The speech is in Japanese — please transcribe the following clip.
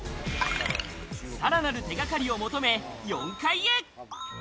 さらなる手がかりを求め４階へ。